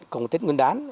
còn một tết nguyên đán